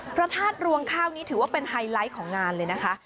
พระธาตุรวงข้าวนี้ถือว่าเป็นไฮไลท์ของงานเลยนะคะ